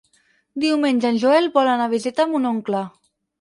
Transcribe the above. Diumenge en Joel vol anar a visitar mon oncle.